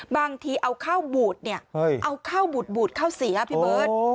บางทีเอาข้าวบูดเนี่ยเอาข้าวบูดข้าวเสียพี่เบิร์ต